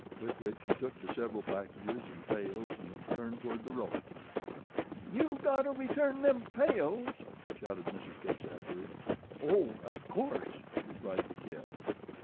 With which he took the several packages and pails and turned toward the road. "Yew gotta return them pails!" shouted Mrs. Case after him. "Oh, of course," replied The Kid.